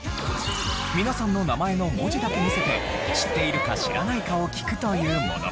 皆さんの名前の文字だけ見せて知っているか知らないかを聞くというもの。